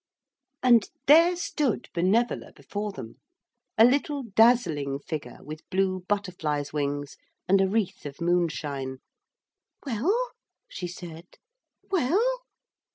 And there stood Benevola before them, a little dazzling figure with blue butterfly's wings and a wreath of moonshine. 'Well?' she said, 'well?'